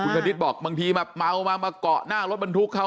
คุณธนิดบอกบางทีมาเมามาเกาะหน้ารถบรรทุกเขา